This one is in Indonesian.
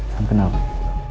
salam kenal pak